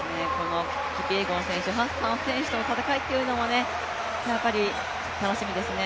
キピエゴン選手、ハッサン選手の戦いというのもやはり楽しみですね。